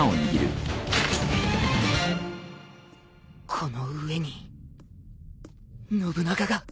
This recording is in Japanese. この上に信長が。